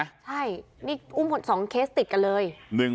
ใช่นี่อุ้ม๒เคสติดกันเลย